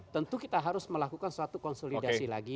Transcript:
tentu kita harus melakukan suatu konsolidasi lagi